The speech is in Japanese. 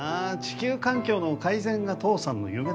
地球環境の改善が父さんの夢だからな。